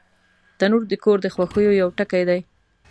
تنور د کور د خوښیو یو ټکی دی